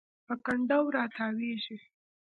په کنډو راتاویږي